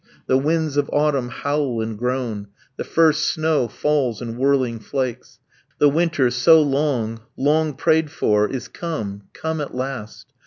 the winds of autumn howl and groan, the first snow falls in whirling flakes. The winter, so long, long prayed for, is come, come at last.